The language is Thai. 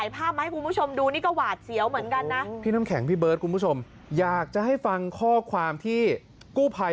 พี่น้ำแข็งพี่เบิร์ตคุณผู้ชมอยากจะให้ฟังข้อความที่กู้ภัย